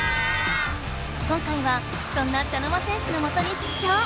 今回はそんな茶の間戦士のもとに出張。